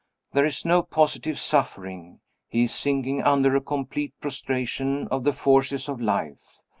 There is no positive suffering he is sinking under a complete prostration of the forces of life.